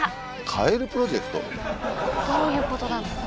カエルプロジェクト？どういうことなんですかね？